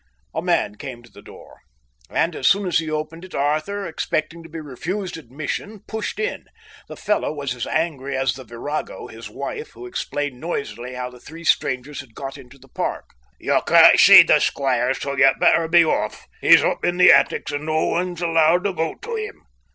A man came to the door, and as soon as he opened it, Arthur, expecting to be refused admission, pushed in. The fellow was as angry as the virago, his wife, who explained noisily how the three strangers had got into the park. "You can't see the squire, so you'd better be off. He's up in the attics, and no one's allowed to go to him."